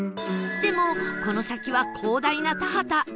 でもこの先は広大な田畑